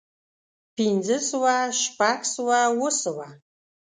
پنځۀ سوه شپږ سوه اووه سوه